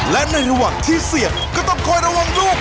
และในระหว่างที่เสี่ยงก็ต้องคอยระวังลูก